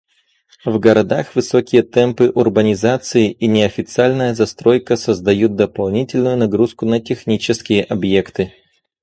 В городах высокие темпы урбанизации и неофициальная застройка создают дополнительную нагрузку на технические объекты.